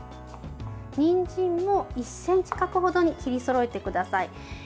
にんじんも１ｃｍ角ほどに切りそろえてください。